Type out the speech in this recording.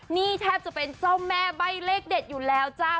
นี่แทบจะเป็นเจ้าแม่ใบ้เลขเด็ดอยู่แล้วจ้า